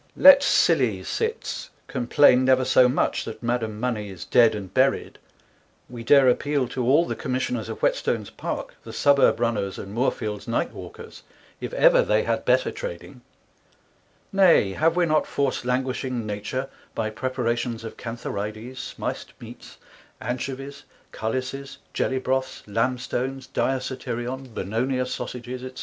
Let silly Cits complain never so much that Madam Money is Dead and Buried, we dare Appeal to all the ┬Ā┬Ā┬Ā┬Ā┬Ā┬Ā 2 10 Commissioners of Whetstones Park, the Suburb Runners, and Moorfields Night walkers, if ever they had better Trading; Nay, have we not forced languishing Nature by preparations of Cantharides, spiced Meats, Anchoves, Cullises, Jelly broths, Lambstones, Diasatyrion, ┬Ā┬Ā┬Ā┬Ā┬Ā┬Ā 2 15 Bononia Sawsages, &c.